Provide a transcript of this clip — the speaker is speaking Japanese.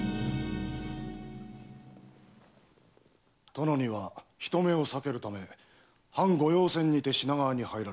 殿には人目を避けるため藩御用船にて品川に入られた。